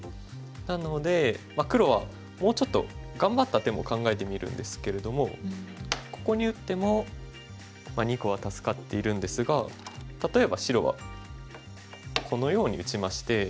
なので黒はもうちょっと頑張った手も考えてみるんですけれどもここに打っても２個は助かっているんですが例えば白はこのように打ちまして。